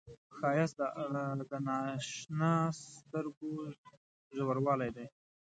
ښایست د نااشنا سترګو ژوروالی دی